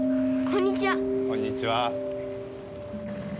こんにちは。